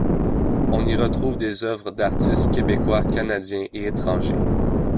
On y retrouve des œuvres d'artistes québécois, canadiens et étrangers.